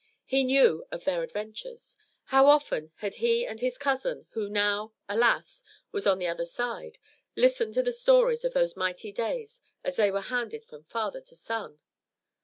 He knew of their adventures. How often had he and his cousin, who now, alas! was on the other side, listened to the stories of those mighty days as they were handed from father to son!